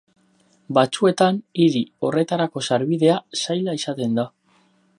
Batzuetan hiri horretarako sarbidea zaila izaten da.